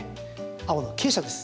青の鶏舎です。